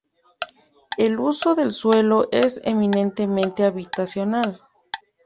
El uso del suelo es eminentemente habitacional.